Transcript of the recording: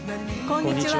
こんにちは。